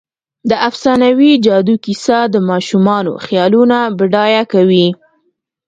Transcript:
د افسانوي جادو کیسه د ماشومانو خیالونه بډایه کوي.